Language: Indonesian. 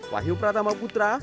wahyu pratama putra